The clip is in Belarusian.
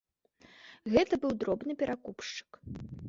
Гэта быў дробны перакупшчык.